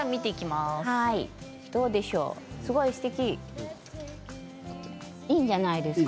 すごい、すてきいいんじゃないですか。